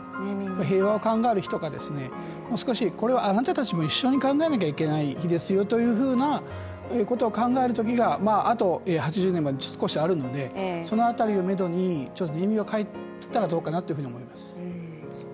平和を考える日とか、もう少し、これはあなたたちも一緒に考えなきゃいけない日ですよということを考えるときがあと８０年まで少しあるのでその辺りをめどにちょっとネーミングを変えたらどうかなと思います。